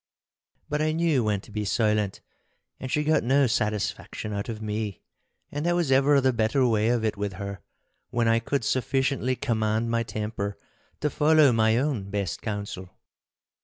But I knew when to be silent, and she got no satisfaction out of me. And that was ever the better way of it with her, when I could sufficiently command my temper to follow mine own best counsel.